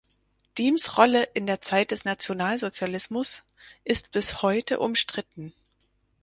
Diems Rolle in der Zeit des Nationalsozialismus ist bis heute umstritten.